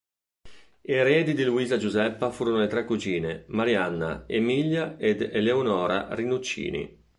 Eredi di Luisa Giuseppa furono le tre cugine Marianna, Emilia ed Eleonora Rinuccini.